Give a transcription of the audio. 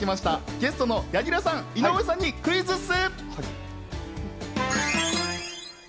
ゲストの柳楽さん、井上さんにクイズッス！